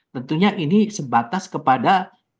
tentunya ini sebatas kepada